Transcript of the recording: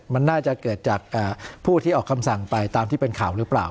มันน่าจะเกิดจากผู้ที่ออกคำสั่งไปตามที่เป็นข่าวหรือเปล่า